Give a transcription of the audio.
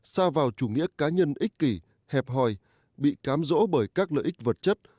xa vào chủ nghĩa cá nhân ích kỷ hẹp hòi bị cám dỗ bởi các lợi ích vật chất